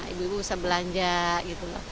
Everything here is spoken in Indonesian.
ibu ibu bisa belanja gitu loh